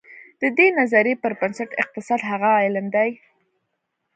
د دې نظریې پر بنسټ اقتصاد هغه علم دی.